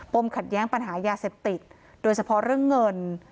ขัดแย้งปัญหายาเสพติดโดยเฉพาะเรื่องเงิน